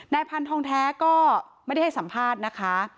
พันธองแท้ก็ไม่ได้ให้สัมภาษณ์นะคะ